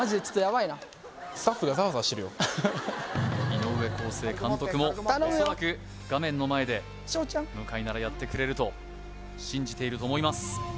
井上康生監督もおそらく画面の前で向ならやってくれると信じていると思います